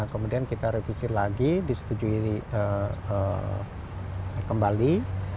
kemudian kita revisi lagi disetujui kembali